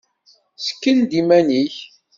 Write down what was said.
Sken-d iman-ik!